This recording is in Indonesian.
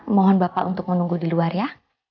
mohon bapak untuk menunggu di luar ya